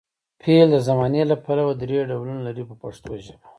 فعل د زمانې له پلوه درې ډولونه لري په پښتو ژبه.